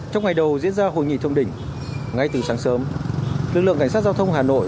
trong ngày đầu diễn ra hội nghị thông đỉnh ngay từ sáng sớm lực lượng cảnh sát giao thông hà nội